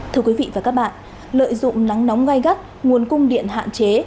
thưa quý vị và các bạn lợi dụng nắng nóng gai gắt nguồn cung điện hạn chế